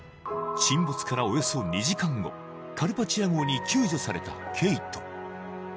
沈没からおよそ２時間後カルパチア号に救助されたケイト